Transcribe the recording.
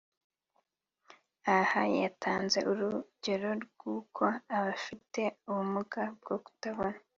Aha yatanze urugero rw’uko abafite ubumuga bwo kutabona